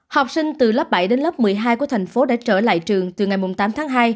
học sinh từ lớp bảy đến lớp một mươi hai của thành phố đã trở lại trường từ ngày tám tháng hai